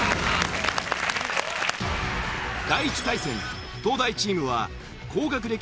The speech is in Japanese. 第１対戦東大チームは高学歴